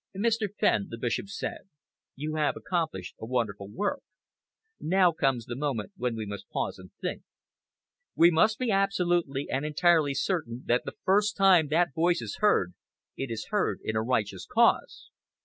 "Mr. Fenn," the Bishop said, "you have accomplished a wonderful work. Now comes the moment when we must pause and think. We must be absolutely and entirely certain that the first time that voice is heard it is heard in a righteous cause."